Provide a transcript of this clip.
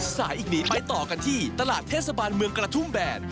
อีกหนีไปต่อกันที่ตลาดเทศบาลเมืองกระทุ่มแบน